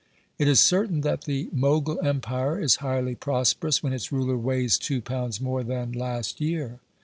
It is certain that the Mogul empire is highly prosperous when its ruler weighs two pounds more than last year.